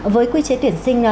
với quy chế tuyển sinh